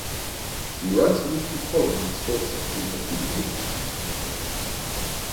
He writes a weekly column in the sport section of "The Age" newspaper.